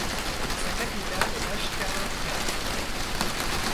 Sa capitale est Lashkar Gah.